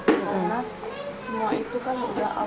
karena semua itu kan udah allah yang atur